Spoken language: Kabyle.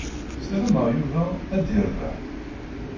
Ssarameɣ Yuba ad yerbeḥ.